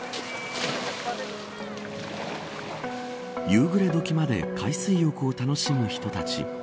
夕暮れどきまで海水浴を楽しむ人たち。